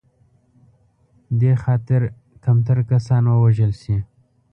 دې خاطر کمتر کسان ووژل شي.